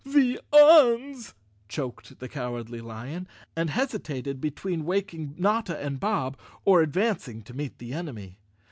"The Uns," choked the Cowardly Lion, and hesitated between waking Notta and Bob, or advancing to meet the enemy.